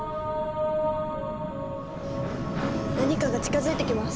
何かが近づいてきます。